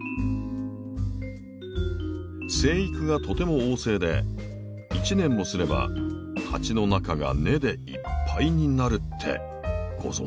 生育がとても旺盛で１年もすれば鉢の中が根でいっぱいになるってご存じでしたか？